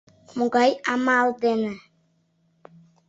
Могай амал дене?